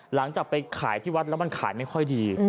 หลังจากไปขายที่วัดแล้วมันขายไม่ค่อยดี